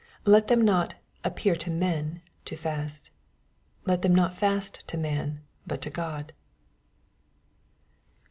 Let them not '' appear to men'' to fast. Let them not fast to man, but to Grod.